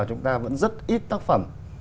chúng ta vẫn rất ít tác phẩm